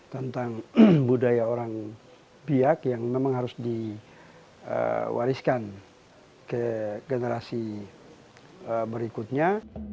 tentang budaya orang biak yang memang harus diwariskan ke generasi berikutnya